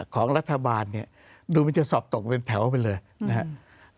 ของรัฐบาลเนี่ยดูมันจะสอบตกเป็นแถวไปเลยนะครับ